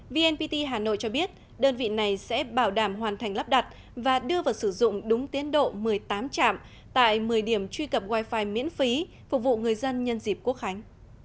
vnpt hà nội cho biết đơn vị này sẽ bảo đảm hoàn thành lắp đặt và đưa vào sử dụng đúng tiến độ một mươi tám trạm tại một mươi điểm truy cập wifi miễn phí phục vụ người dân nhân dịp quốc khánh